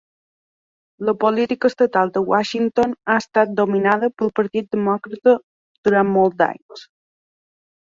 La política estatal de Washington ha estat dominada pel Partit Demòcrata durant molts anys.